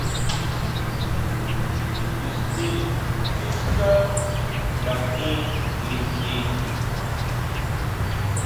Ixti siská nga jin liji.